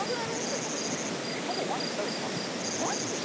それほぼ毎日食べてましたよマジで！？